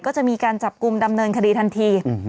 ก็จะมีการจับกลุ่มดำเนินคดีทันที